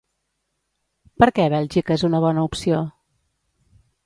Per què Bèlgica és una bona opció?